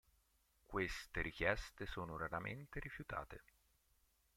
Queste richieste sono raramente rifiutate.